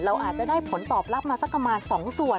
อาจจะได้ผลตอบรับมาสักประมาณ๒ส่วน